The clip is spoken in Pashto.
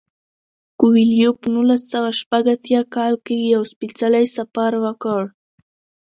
کویلیو په نولس سوه شپږ اتیا کال کې یو سپیڅلی سفر وکړ.